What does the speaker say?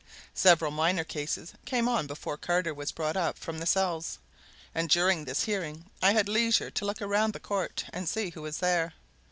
Several minor cases came on before Carter was brought up from the cells, and during this hearing I had leisure to look round the court and see who was there.